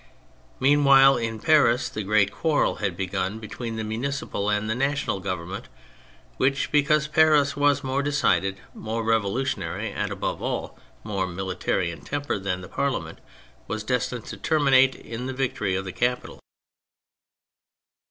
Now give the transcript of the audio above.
Meanwhile, in Paris the great quarrel had begun between the Municipal and the National Government, which, because Paris was more decided, more revolutionary, and, above all, more military in temper than the Parliament, was destined to terminate in the victory of the capital.